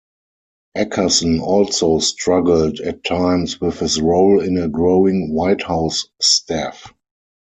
Akerson also struggled at times with his role in a growing White House staff.